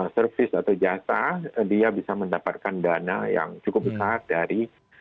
service atau jasa dia bisa mendapatkan dana yang cukup besar dari